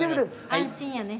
安心やね。